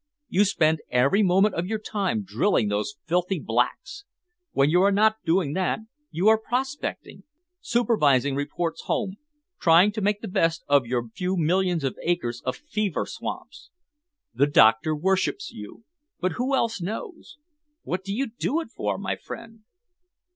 You spend every moment of your time drilling those filthy blacks. When you are not doing that, you are prospecting, supervising reports home, trying to make the best of your few millions of acres of fever swamps. The doctor worships you but who else knows? What do you do it for, my friend?"